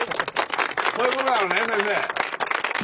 そういうことなのね先生。